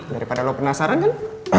daripada lo penasaran kan